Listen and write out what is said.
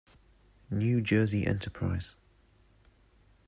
New Jersey enterprise.